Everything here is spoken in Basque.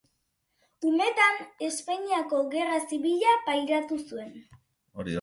Umetan, Espainiako Gerra Zibila pairatu zuen.